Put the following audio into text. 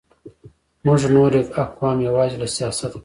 موږ نور اقوام یوازې له سیاست پېژنو.